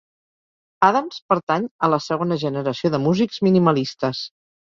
Adams pertany a la segona generació de músics minimalistes.